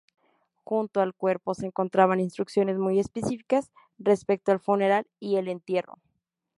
Junto al cuerpo se encontraban instrucciones muy específicas respecto al funeral y el entierro.